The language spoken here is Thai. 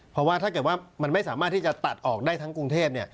เพราะว่าถ้าเกิดว่ามันไม่สามารถที่จะตัดออกได้ทั้งกรุงเทพ